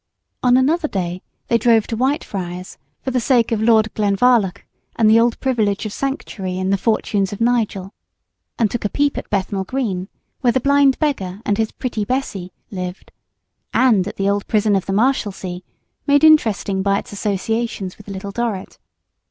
On another day they drove to Whitefriars, for the sake of Lord Glenvarloch and the old privilege of Sanctuary in the "Fortunes of Nigel;" and took a peep at Bethnal Green, where the Blind Beggar and his "Pretty Bessee" lived, and at the old Prison of the Marshalsea, made interesting by its associations with "Little Dorrit."